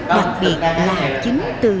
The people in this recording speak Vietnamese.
đặc biệt là chính từ